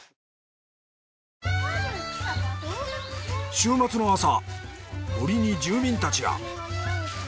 週末の朝森に住民たちが。